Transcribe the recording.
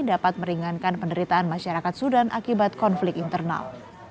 dapat meringankan penderitaan masyarakat sudan akibat konflik internal